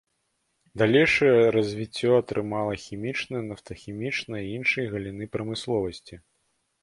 Далейшае развіццё атрымала хімічная, нафтахімічная і іншыя галіны прамысловасці.